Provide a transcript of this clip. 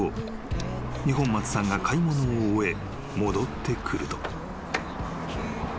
［二本松さんが買い物を終え戻ってくると］